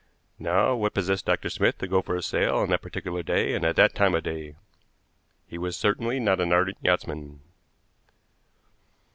Now, what possessed Dr. Smith to go for a sail on that particular day and at that time of the day? He was certainly not an ardent yachtsman."